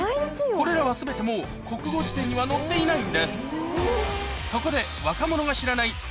これらは全てもう国語辞典には載っていないんです